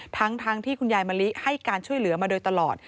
ทั้งที่คุณยายมะลิให้การช่วยเหลือมาโดยตลอด